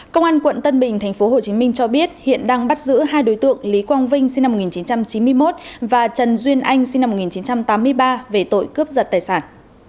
công an quận tân bình tp hcm cho biết hiện đang bắt giữ hai đối tượng lý quang vinh sinh năm một nghìn chín trăm chín mươi một và trần duyên anh sinh năm một nghìn chín trăm tám mươi ba về tội cướp giật tài sản